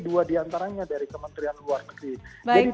dua diantaranya dari kementerian luar negeri jadi